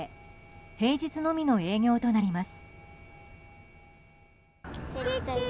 平日のみの営業となります。